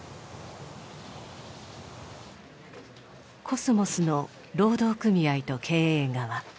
コスモスの労働組合と経営側。